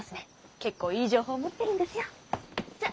結構いい情報持ってるんですよッ！